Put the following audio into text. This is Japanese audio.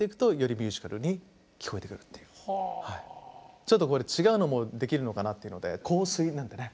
ちょっとこれ違うのもできるのかなっていうので「香水」なんてね。